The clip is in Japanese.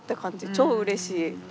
超うれしい。